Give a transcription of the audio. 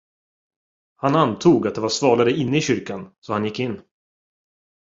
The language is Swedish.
Han antog, att det var svalare inne i kyrkan, så han gick in.